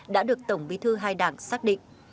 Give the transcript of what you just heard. đã được tổng bí thư hai đảng xác định